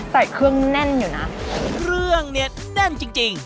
ใส่เครื่องแน่นอยู่นะเครื่องเนี่ยแน่นจริงจริง